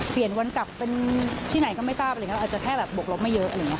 เปลี่ยนวันกลับเป็นที่ไหนก็ไม่ทราบอาจจะแค่บวกลบไม่เยอะ